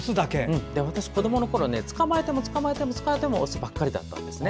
私、子どものころ捕まえても捕まえてもオスばっかりだったんですね。